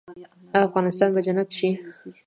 آیا افغانستان به جنت شي؟